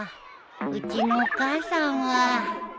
うちのお母さんは。